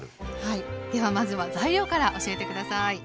ではまずは材料から教えて下さい。